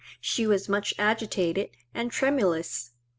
She was much agitated and tremulous.